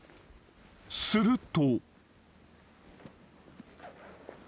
［すると］